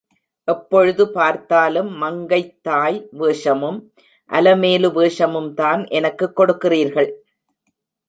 எப்பொழுது பார்த்தாலும், மங்கைத்தாய் வேஷமும், அலமேலு வேஷமும்தான் எனக்குக் கொடுக்கிறீர்கள்?